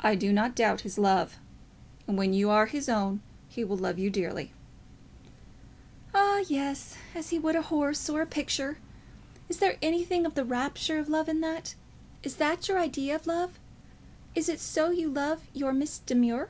"I do not doubt his love. And when you are his own he will love you dearly." "Ah, yes; as he would a horse or a picture. Is there anything of the rapture of love in that? Is that your idea of love? Is it so you love your Miss Demure?"